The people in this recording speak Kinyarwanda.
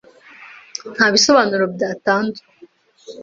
Nta bisobanuro byatanzwe.